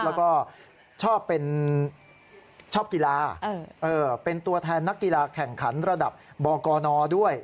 แล้วก็ชอบกีฬาเป็นตัวแทนนักกีฬาแข่งขันระดับบกนด้วย